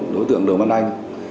đối tượng đồn văn anh